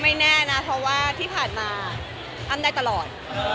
ไม่แน่นะเพราะว่าที่ผ่านมาอ้ำได้ตลอด